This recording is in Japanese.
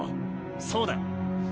そうだ！